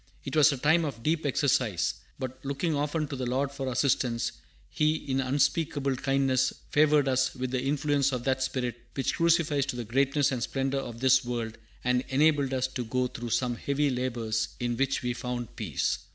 It was a time of deep exercise; but looking often to the Lord for assistance, He in unspeakable kindness favored us with the influence of that spirit which crucifies to the greatness and splendor of this world, and enabled us to go through some heavy labors, in which we found peace."